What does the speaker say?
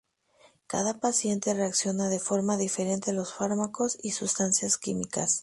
Cada paciente reacciona de forma diferente a los fármacos y sustancias químicas.